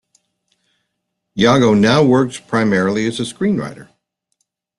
Yago now works primarily as a screenwriter.